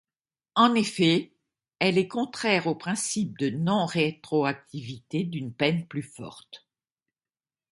En effet, elle est contraire au principe de non-rétroactivité d'une peine plus forte.